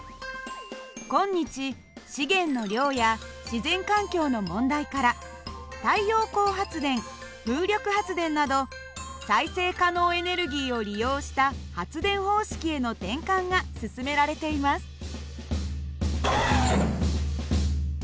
今日資源の量や自然環境の問題から太陽光発電風力発電など再生可能エネルギーを利用した発電方式への転換が進められています。